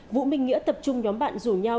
vũ minh nghĩa tập trung nhóm bạn rủ nhau